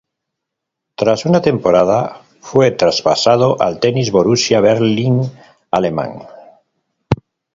Tras una temporada fue traspasado al Tennis Borussia Berlin alemán.